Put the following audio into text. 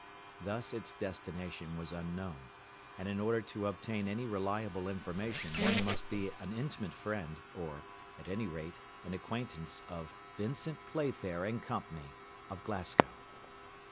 Thus its destination was unknown, and in order to obtain any reliable information one must be an intimate friend, or, at any rate, an acquaintance of Vincent Playfair & Co., of Glasgow.